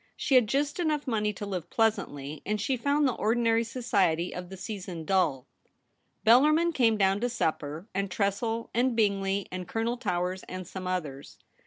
She had just enough money to live pleasantly, and she found the ordinary society of the season dull. Bellarmin came 126 THE REBEL ROSE. down to supper, and Tressel, and Bingley, and Colonel Towers and some others.